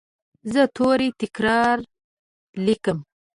زه توري تکرار لیکم.